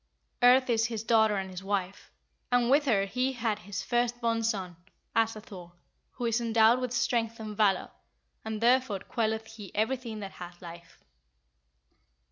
Earth is his daughter and his wife, and with her he had his first born son, Asa Thor, who is endowed with strength and valour, and therefore quelleth he everything that hath life."